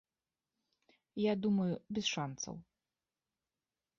Я думаю, без шанцаў.